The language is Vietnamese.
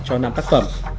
cho năm tác phẩm